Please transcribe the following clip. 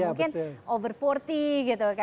mungkin over empat puluh gitu kan